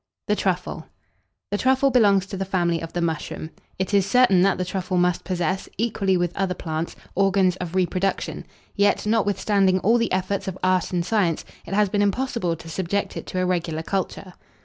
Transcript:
THE TRUFFLE. The Truffle belongs to the family of the Mushroom. It is certain that the truffle must possess, equally with other plants, organs of reproduction; yet, notwithstanding all the efforts of art and science, it has been impossible to subject it to a regular culture.